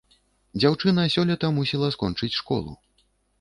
Дзяўчына сёлета мусіла скончыць школу.